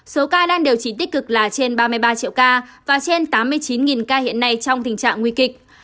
số ca đang điều trị tích cực là trên ba mươi ba triệu ca và trên tám mươi chín ca hiện nay trong tình trạng nguy kịch